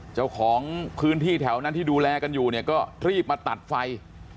เจ้าของพื้นที่แถวนั้นที่ดูแลกันอยู่เนี่ยก็รีบมาตัดไฟ